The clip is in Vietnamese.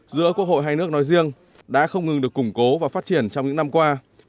giữa quốc hội hai nước nói riêng đã không ngừng được củng cố và phát triển trong những năm qua